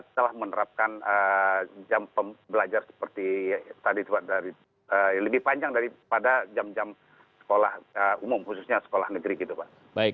telah menerapkan jam pembelajar lebih panjang daripada jam jam sekolah umum khususnya sekolah negeri